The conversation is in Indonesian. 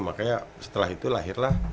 makanya setelah itu lahirlah